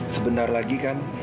sebentar lagi kan